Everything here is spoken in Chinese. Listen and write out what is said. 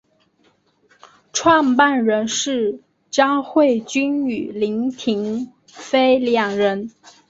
创办人是詹慧君与林庭妃两人。